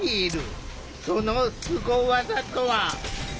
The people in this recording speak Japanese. そのスゴ技とは？